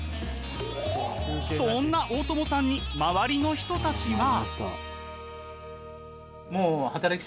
そんな大友さんに周りの人たちは。